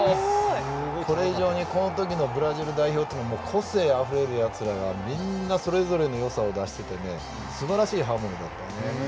これ以上にこの時のブラジル代表というのは個性あふれるやつらがみんな、それぞれのよさを出してすばらしいハーモニーだったね。